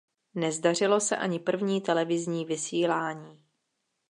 Nezdařilo se ani první televizní vysílání.